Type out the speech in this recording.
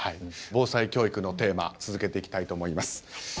防災教育のテーマ続けていきたいと思います。